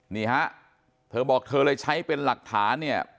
นี่ฮะเธอบอกเธอเลยใช้เป็นหลักฐานเนี่ย